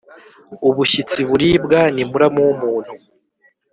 Ubushyitsi buribwa ni muramu w’umuntu.